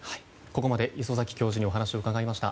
ここまで礒崎教授にお話を伺いました。